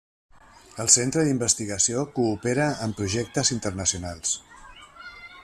El centre d'investigació coopera en projectes internacionals.